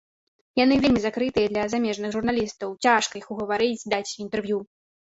Яны вельмі закрытыя для замежных журналістаў, цяжка іх угаварыць даць інтэрв'ю.